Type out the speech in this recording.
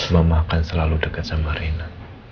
mama akan selalu deket sama reena